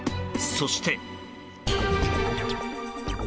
そして。